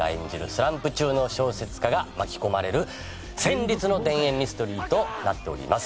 スランプ中の小説家が巻き込まれる戦慄の田園ミステリーとなっております。